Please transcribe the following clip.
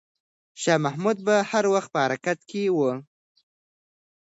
شاه محمود به هر وخت په حرکت کې وي.